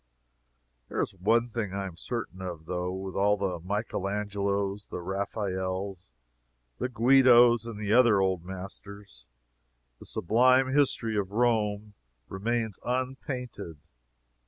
There is one thing I am certain of, though. With all the Michael Angelos, the Raphaels, the Guidos and the other old masters, the sublime history of Rome remains unpainted!